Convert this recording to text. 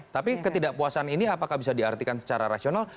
tapi ketidakpuasan ini apakah bisa diartikan secara rasional